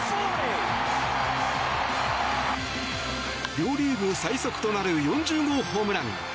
両リーグ最速となる４０号ホームラン。